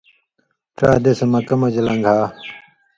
ڇا دېسہۡ مکّہ مژہۡ لن٘گھا،